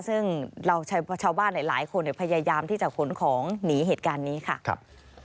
ซึ่งเราใช้ชาวบ้านหลายหลายคนเนี้ยพยายามที่จะขนของหนีเหตุการณ์นี้ค่ะครับ